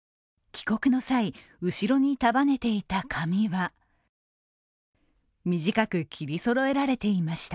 帰国の際、後ろに束ねていた髪は短く切りそろえられていました。